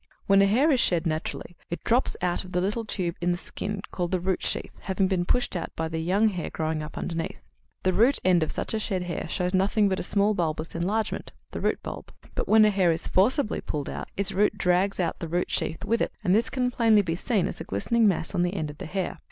When a hair is shed naturally, it drops out of the little tube in the skin called the root sheath, having been pushed out by the young hair growing up underneath; the root end of such a shed hair shows nothing but a small bulbous enlargement the root bulb. But when a hair is forcibly pulled out, its root drags out the root sheath with it, and this can be plainly seen as a glistening mass on the end of the hair.